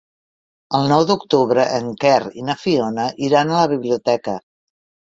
El nou d'octubre en Quer i na Fiona iran a la biblioteca.